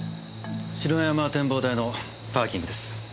城山展望台のパーキングです。